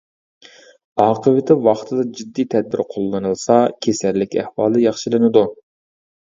ئاقىۋىتى ۋاقتىدا جىددىي تەدبىر قوللىنىلسا كېسەللىك ئەھۋالى ياخشىلىنىدۇ.